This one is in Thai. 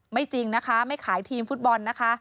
จริงนะคะไม่ขายทีมฟุตบอลนะคะ